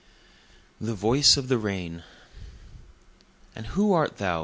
The Voice of the Rain And who art thou?